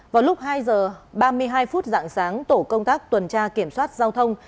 vào lúc hai h ba mươi hai phút dạng sáng tổ công tác tuần tra kiểm soát giao thông